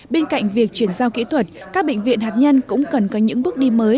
bên cạnh việc chuyển giao kỹ thuật các bệnh viện hạt nhân cũng cần có những bước đi mới